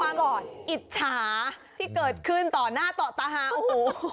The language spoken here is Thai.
เป็นความอิจฉาที่เกิดขึ้นต่อหน้าต่อตาหาโอ้โห